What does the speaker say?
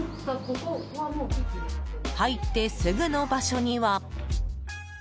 入ってすぐの場所には。